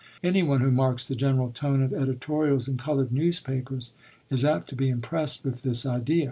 Anyone who marks the general tone of editorials in colored newspapers is apt to be impressed with this idea.